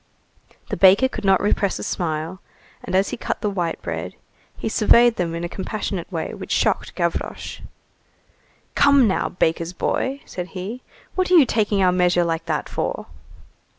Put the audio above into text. The baker could not repress a smile, and as he cut the white bread he surveyed them in a compassionate way which shocked Gavroche. "Come, now, baker's boy!" said he, "what are you taking our measure like that for?"